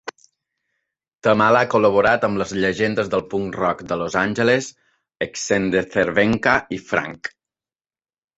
Tamala ha col·laborat amb les llegendes del punk rock de Los Angeles, Exene Cervenka i Phranc.